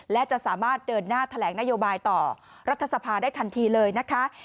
และจะสามารถเดินหน้าแถลงนโยบายต่อรัฐสภาได้ทันทีเลยนะคะ